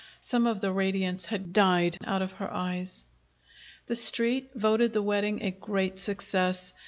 Some of the radiance had died out of her eyes. The Street voted the wedding a great success.